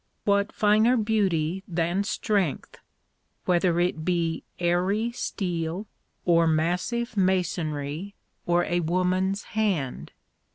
What finer beauty than strength whether it be airy steel, or massive masonry, or a woman's hand?